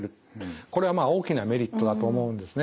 これは大きなメリットだと思うんですね。